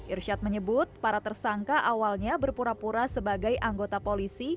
irsyad menyebut para tersangka awalnya berpura pura sebagai anggota polisi